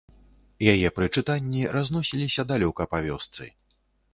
Яе прычытанні разносіліся далёка па вёсцы.